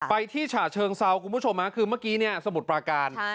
ที่ฉะเชิงเซาคุณผู้ชมคือเมื่อกี้เนี่ยสมุทรปราการ